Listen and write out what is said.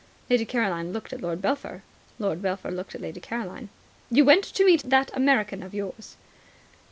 Lady Caroline looked at Lord Belpher. Lord Belpher looked at Lady Caroline. "You went to meet that American of yours?"